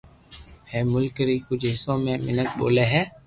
ھي ملڪ ري ڪجھ حصو ۾ ميينک ٻولي ھي